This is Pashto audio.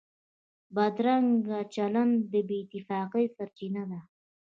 بدرنګه چلند د بې اتفاقۍ سرچینه ده